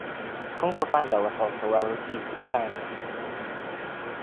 "Kung Fu Panda" was also well received in China.